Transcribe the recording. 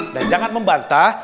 dan jangan membantah